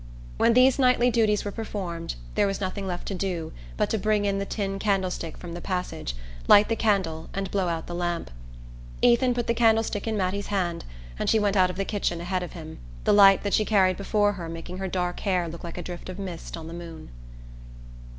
When these nightly duties were performed there was nothing left to do but to bring in the tin candlestick from the passage, light the candle and blow out the lamp. Ethan put the candlestick in Mattie's hand and she went out of the kitchen ahead of him, the light that she carried before her making her dark hair look like a drift of mist on the moon.